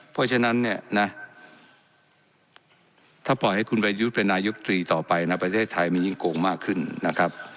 ประเทศไทยมันยิ่งโกงมากขึ้นนะครับ